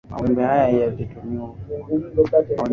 mawimbi haya yalitumika kwa mawasiliano kati yao